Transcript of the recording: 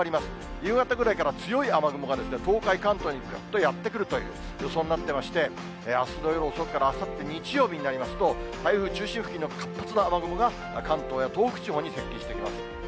夕方ぐらいから強い雨雲が東海、関東にぐっとやって来るという予想になってまして、あすの夜遅くからあさって日曜日になりますと、台風中心付近の活発な雨雲が、関東や東北地方に接近してきます。